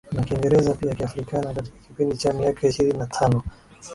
Na Kiingereza pia Kiafrikana katika kipindi cha miaka ishirini na tano